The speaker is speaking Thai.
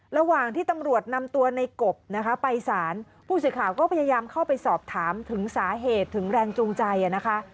ระหว่างที่ตำรวจนำตัวในกบนะคะไปสารผู้สื่อข่าวก็พยายามเข้าไปสอบถามถึงสาเหตุถึงแรงจูงใจนะคะ